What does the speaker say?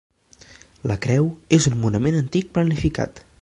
La creu és un monument antic planificat.